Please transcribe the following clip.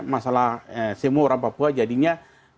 masalah semua orang papua jadinya